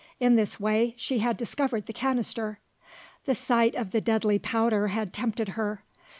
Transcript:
In this way, she had discovered the canister. The sight of the deadly powder had tempted her.